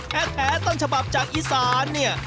แฮะแห๊ะต้นฉบับจากอีซานเนี่ย